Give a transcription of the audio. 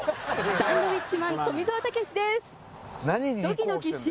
サンドウィッチマン富澤たけしです。